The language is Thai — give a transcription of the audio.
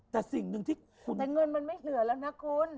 แต่เงินมันไม่เหลือแล้วนะคุณ